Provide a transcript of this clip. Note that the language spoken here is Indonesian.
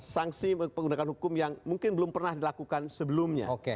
sanksi penggunaan hukum yang mungkin belum pernah dilakukan sebelumnya